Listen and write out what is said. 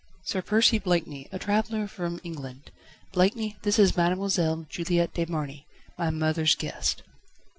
Sir Percy Blakeney, a traveller from England. Blakeney, this is Mademoiselle Juliette de Marny, my mother's guest."